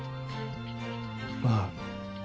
まあ